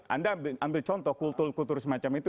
anda ambil contoh kultur kultur semacam itu